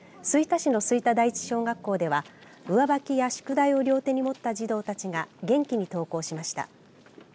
吹田市の吹田第一小学校では上履きや宿題を両手に持った児童たちが元気に登校しました。